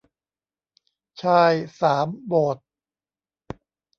ชายสามโบสถ์